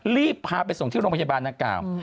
รีบพาไปส่งที่โรงพยาบาลนางกล่าว